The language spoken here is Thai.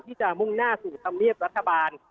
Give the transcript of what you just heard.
ที่จะมุ่งหน้าสู่ธรรมเนียบรัฐบาล